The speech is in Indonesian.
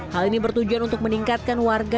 hal ini bertujuan untuk meningkatkan warga